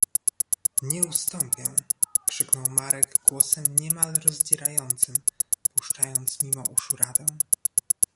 — Nie ustąpię! — krzyknął Marek głosem niemal rozdzierającym, puszczając mimo uszu radę.